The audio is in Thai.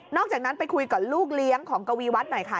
อกจากนั้นไปคุยกับลูกเลี้ยงของกวีวัฒน์หน่อยค่ะ